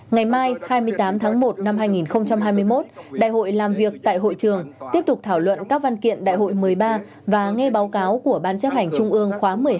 ngày mai hai mươi tám tháng một năm hai nghìn hai mươi một đại hội làm việc tại hội trường tiếp tục thảo luận các văn kiện đại hội một mươi ba và nghe báo cáo của ban chấp hành trung ương khóa một mươi hai